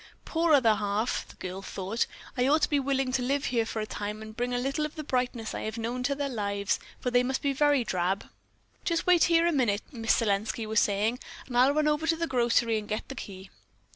"Poor other half!" the young girl thought. "I ought to be willing to live here for a time and bring a little of the brightness I have known into their lives, for they must be very drab." "Just wait here a minute," Miss Selenski was saying, "and I'll run over to the grocery and get the key."